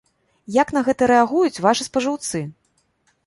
Як на гэта рэагуюць вашы спажыўцы?